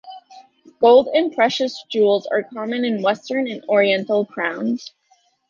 Gold and precious jewels are common in western and oriental crowns.